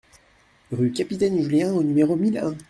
Rue Capitaine Julien au numéro mille un